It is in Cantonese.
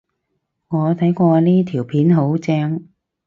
我都睇過呢條片，好正